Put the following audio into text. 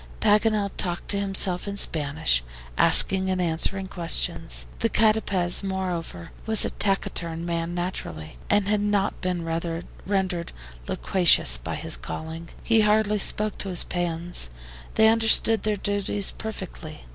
Paganel talked to himself in Spanish, asking and answering questions. The CATAPEZ, moreover, was a taciturn man naturally, and had not been rendered loquacious by his calling. He hardly spoke to his PEONS. They understood their duties perfectly.